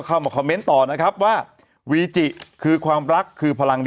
เข้ามาคอมเมนต์ต่อนะครับว่าวีจิคือความรักคือพลังดี